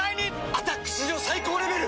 「アタック」史上最高レベル！